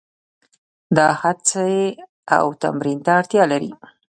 دا هڅې او تمرین ته اړتیا لري.